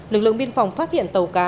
lực lượng biên phòng phát hiện tàu cá